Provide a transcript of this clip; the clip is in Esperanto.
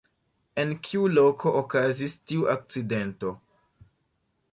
En kiu loko okazis tiu akcidento?